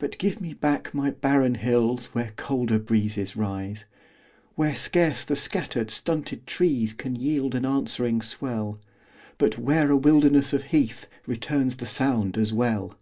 But give me back my barren hills Where colder breezes rise; Where scarce the scattered, stunted trees Can yield an answering swell, But where a wilderness of heath Returns the sound as well.